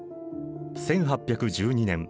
１８１２年。